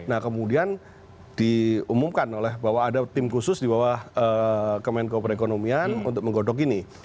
nah kemudian diumumkan oleh bahwa ada tim khusus di bawah kemenko perekonomian untuk menggodok ini